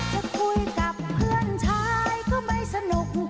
จะคุยกับเพื่อนชายก็ไม่สนุก